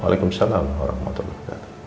wa'alaikumussalam orang motor